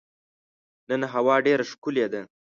نن هوا ډېره ښکلې ده.